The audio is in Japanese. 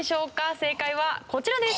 正解はこちらです。